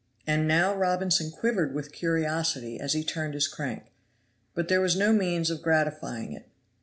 And now Robinson quivered with curiosity as he turned his crank, but there was no means of gratifying it.